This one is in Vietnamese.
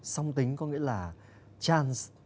song tính có nghĩa là chance